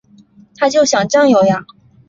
他就想占有呀